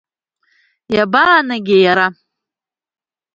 Иабаанагеи иара?